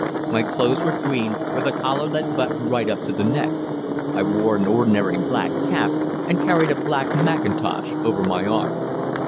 My clothes were green, with a collar that buttoned right up to the neck. I wore an ordinary black cap, and carried a black mackintosh over my arm.